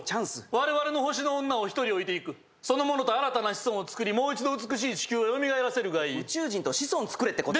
我々の星の女を１人置いていくその者と新たな子孫をつくりもう一度美しい地球をよみがえらせるがいい宇宙人と子孫つくれってこと？